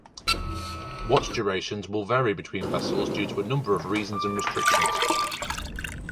Watch durations will vary between vessels due to a number of reasons and restrictions.